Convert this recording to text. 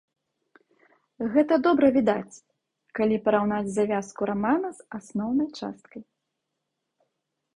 Гэта добра відаць, калі параўнаць завязку рамана з асноўнай часткай.